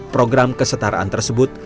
program kesetaraan tersebut